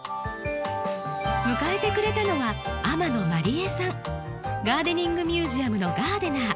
迎えてくれたのはガーデニングミュージアムのガーデナー。